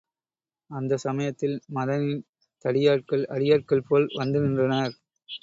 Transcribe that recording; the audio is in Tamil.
அந்தச் சமயத்தில் மதனின் தடியாட்கள் அடியாட்கள் போல் வந்து நின்றனர்.